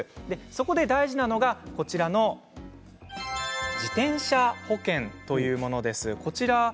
そこで大事なのが自転車保険というものです。